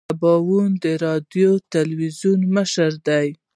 د سباوون راډیو تلویزون مشر دی.